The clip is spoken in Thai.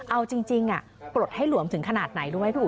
เอาจริงปลดให้หลวมถึงขนาดไหนรู้ไหมพี่อุ